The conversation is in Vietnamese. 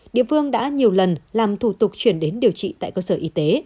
địa phương đã nhiều lần làm thủ tục chuyển đến điều trị tại cơ sở y tế